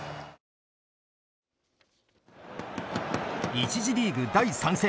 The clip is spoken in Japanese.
１次リーグ、第３戦。